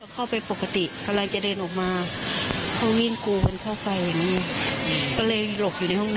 ใช่ต้องชวนกันไปต้องไปด้วยกัน๒คน